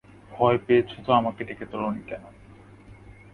ভয় পেয়েছ তো আমাকে ডেকে তোল নি কেন?